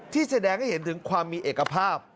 แสดงให้เห็นถึงความมีเอกภาพ